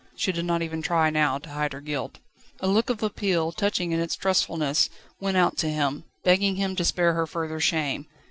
She did not even try now to hide her guilt. A look of appeal, touching in its trustfulness, went out to him, begging him to spare her further shame.